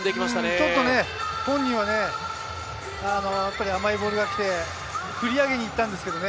ちょっと本人はやっぱり甘いボールがきて振り上げに行ったんですけどね。